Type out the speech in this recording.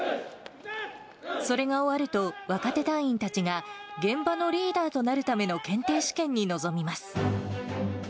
それが終わると、若手隊員たちが、現場のリーダーとなるための検定試験に臨みます。